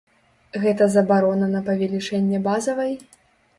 Гэта забарона на павелічэнне базавай?